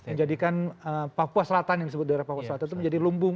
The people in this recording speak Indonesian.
menjadikan papua selatan yang disebut daerah papua selatan itu menjadi lumbung